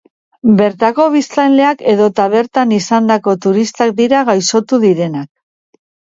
Bertako biztanleak edota bertan izandako turistak dira gaixotu direnak.